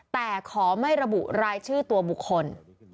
แต่ขอไม่ระบุรายชื่อตัวบุคคล